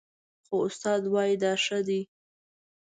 خو استاد وايي دا ښه دي